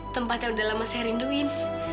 tempat yang sudah lama saya rindukan